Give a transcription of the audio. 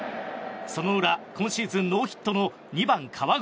その裏、今シーズンノーヒットの２番、川越。